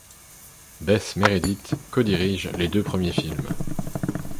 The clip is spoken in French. Bess Meredyth co-dirige les deux premiers films.